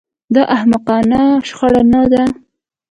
دا احمقانه شخړه نه ده